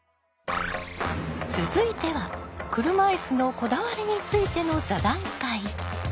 続いては車いすのこだわりについての座談会。